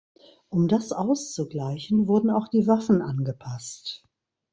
Um das auszugleichen, wurden auch die Waffen angepasst.